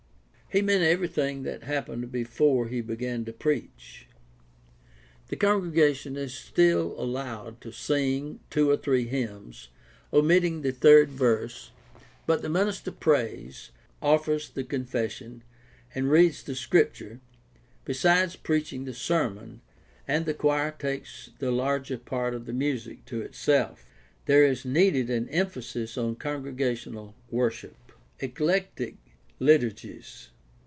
He meant everything that happened before he began to preach. The congregation is still allowed to sing two or three hymns, "omitting the third verse," but the minister prays, offers the 620 GUIDE TO STUDY OF CHRISTT\N RELIGION confession, and reads the Scripture, besides preaching the sermon, and the choir takes the larger part of the music to itself. There is needed an emphasis on congregational worship. Eclectic liturgies.